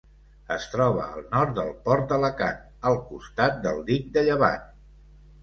Es troba al nord del port d'Alacant, al costat del dic de Llevant.